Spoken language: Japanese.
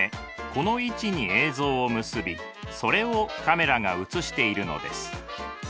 この位置に映像を結びそれをカメラが映しているのです。